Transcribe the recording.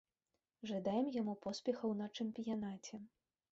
Жадаем яму поспехаў на чэмпіянаце.